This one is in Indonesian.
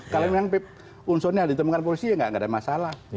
kalau memang unsurnya ditemukan polisi ya nggak ada masalah